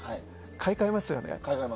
買い替えますよね。